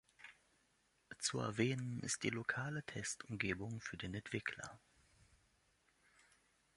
Zu erwähnen ist die lokale Testumgebung für den Entwickler.